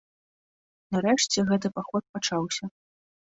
Нарэшце гэты паход пачаўся.